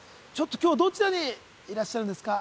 今日はどちらにいらっしゃるんですか？